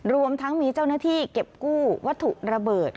รวมทั้งมีเจ้าหน้าที่เก็บกู้วัตถุระเบิด